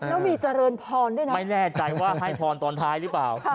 แล้วมีเจริญพรด้วยนะไม่แน่ใจว่าให้พรตอนท้ายหรือเปล่า